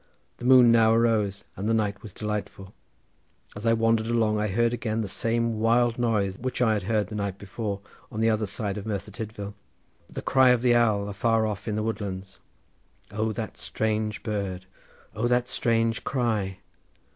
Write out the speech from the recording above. The moon now arose, and the night was delightful. As I was wandering along I heard again the same wild noise which I had heard the night before, on the other side of Merthyr Tydvil. The cry of the owl afar off in the woodlands. O that strange bird! O that strange cry!